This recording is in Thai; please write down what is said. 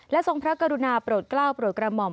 ทรงพระกรุณาโปรดกล้าวโปรดกระหม่อม